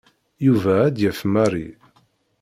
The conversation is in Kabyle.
Yuba ad d-yaf Mary.